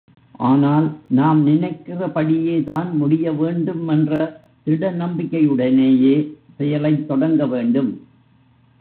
ஆனால் நாம் நினைக்கிறபடியேதான் முடியவேண்டுமென்ற திட நம்பிக்கையுடனேயே செயலைத் தொடங்க வேண்டும்.